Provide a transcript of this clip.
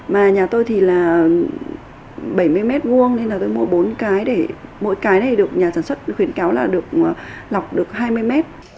mà nhà tôi thì là bảy mươi m hai nên là tôi mua bốn cái để mỗi cái này được nhà sản xuất khuyến cáo là được lọc được hai mươi mét